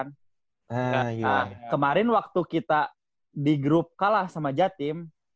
nah kemarin waktu kita di grup kalah sama jatim